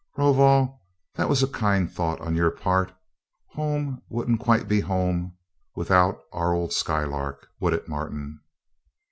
"Rovol, that was a kind thought on your part. Home wouldn't quite be home without our old Skylark, would it, Martin?"